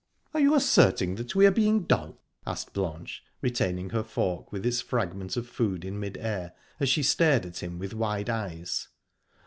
"Are you asserting that we are being dull?" asked Blanche, retaining her fork with its fragment of food in mid air, as she stared at him with wide eyes.